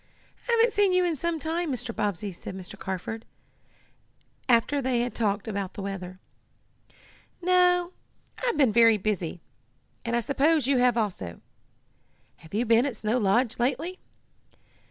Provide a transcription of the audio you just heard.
"I haven't seen you in some time, Mr. Bobbsey," said Mr. Carford, after they had talked about the weather. "No, I've been very busy, and I suppose you have also. Have you been at Snow Lodge lately?"